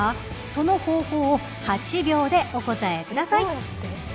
その方法を８秒でお答えください。